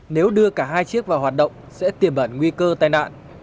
nếu đưa cả hai chiếc vào hoạt động sẽ tiềm ẩn nguy cơ tai nạn